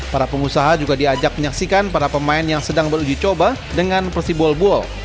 para pengusaha juga diajak menyaksikan para pemain yang sedang berujicoba dengan persibol bol